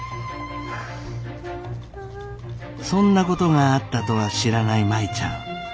そんなことがあったとは知らない舞ちゃん。